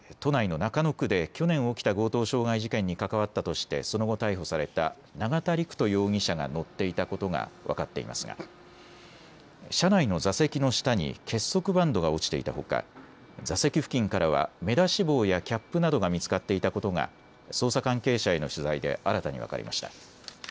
中野区で去年、起きた強盗傷害事件に関わったとしてその後、逮捕された永田陸人容疑者が乗っていたことが分かっていますが車内の座席の下に結束バンドが落ちていたほか、座席付近からは目出し帽やキャップなどが見つかっいたことが捜査関係者への取材で新たに分かりました。